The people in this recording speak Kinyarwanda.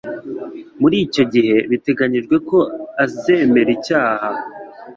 Muri icyo gihe biteganijwe ko azemera icyaha